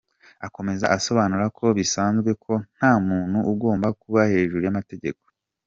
Akomeza asobanura ko “bisanzwe ko nta muntu ugomba kuba hejuru y’amategeko”.